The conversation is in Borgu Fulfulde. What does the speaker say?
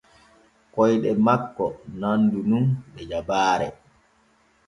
Koyɗe makko nandu nun ɗe jabaare.